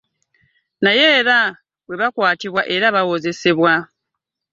Naye era bwe bakwatibwa era bawozesebwa .